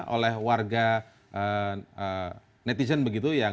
oleh warga netizen begitu